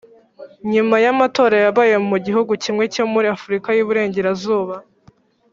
nyuma y amatora yabaye mu gihugu kimwe cyo muri Afurika y iburengerazuba